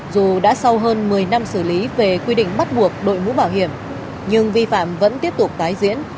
dù đã sau hơn một mươi năm xử lý về quy định bắt buộc đội mũ bảo hiểm nhưng vi phạm vẫn tiếp tục tái diễn